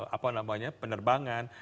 apa namanya penerbangan